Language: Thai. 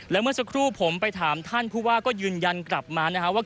แล้วเมื่อสักครู่ผมไปถามท่านผู้ว่าก็ยืนยันกลับมานะครับว่า